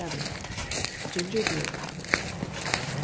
Ginger beer Powders.